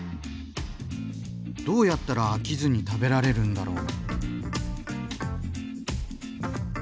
どうやったら飽きずに食べられるんだろう？